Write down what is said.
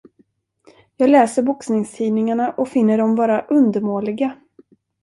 Jag läser boxningstidningarna och finner dem vara undermåliga.